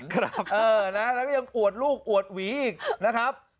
ครับเออนะแล้วก็ยังอวดลูกอวดหวีอีกนะครับ